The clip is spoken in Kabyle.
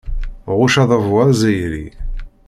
Ɣucc adabu azzayri.